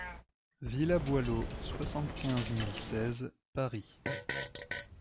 Villa Boileau, soixante-quinze mille seize Paris